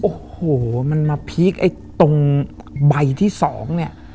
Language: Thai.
โอ้โหมันมาพีคตรงใบที่๒เนี่ย